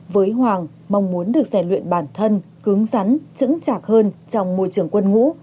với hoàng mong muốn được giải luyện bản thân cứng rắn chững chạc hơn trong môi trường quân ngũ